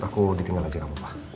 aku ditinggal aja gak apa apa